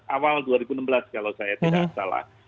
awal dua ribu enam belas kalau saya tidak salah